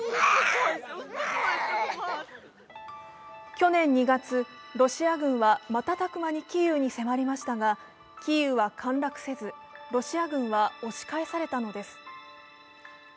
去年２月、ロシア軍は瞬く間にキーウに迫りましたが、キーウは陥落せず、ロシア軍は押し返されたのです。